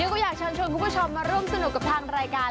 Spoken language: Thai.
ก็อยากเชิญชวนคุณผู้ชมมาร่วมสนุกกับทางรายการ